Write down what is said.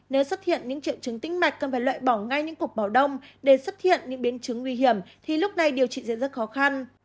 nếu xuất hiện những triệu chứng tĩnh mạch cần phải loại bỏ ngay những cục bảo đông để xuất hiện những biến chứng nguy hiểm thì lúc này điều trị sẽ rất khó khăn